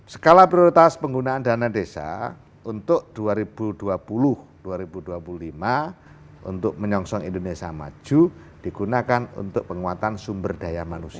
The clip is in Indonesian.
skala prioritas penggunaan dana desa untuk dua ribu dua puluh dua ribu dua puluh lima untuk menyongsong indonesia maju digunakan untuk penguatan sumber daya manusia